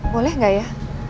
boleh gak ya